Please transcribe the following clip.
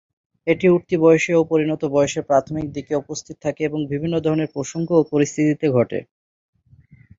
এটি উঠতি বয়সে ও পরিণত বয়সের প্রাথমিক দিকে উপস্থিত থাকে এবং বিভিন্ন ধরনের প্রসঙ্গ ও পরিস্থিতিতে ঘটে।